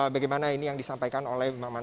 bagaimana ini yang disampaikan oleh maman